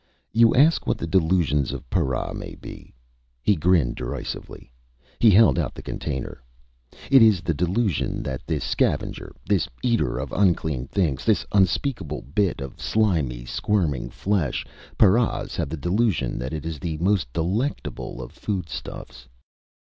"You ask what the delusions of para may be?" he grinned derisively. He held out the container. "It is the delusion that this scavenger, this eater of unclean things, this unspeakable bit of slimy, squirming flesh paras have the delusion that it is the most delectable of foodstuffs!"